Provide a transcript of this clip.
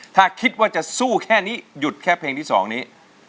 ถ้าคิดว่าจะสู้แค่นี้หยุดแค่เพลงที่๒นี้